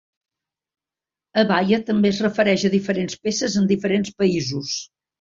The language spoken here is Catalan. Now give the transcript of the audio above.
Abaya també es refereix a diferents peces en diferents països.